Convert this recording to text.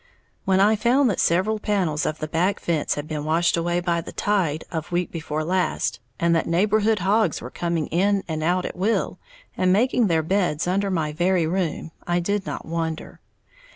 When I found that several panels of the back fence had been washed away by the "tide" of week before last, and that neighborhood hogs were coming in and out at will, and making their beds under my very room, I did not wonder.